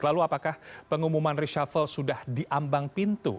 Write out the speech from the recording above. lalu apakah pengumuman reshuffle sudah diambang pintu